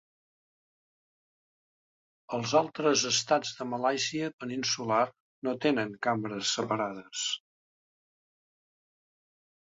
Els altres estats de Malàisia Peninsular no tenen cambres separades.